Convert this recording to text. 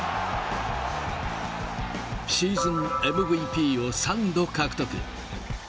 シーズンＭＶＰを３度獲得。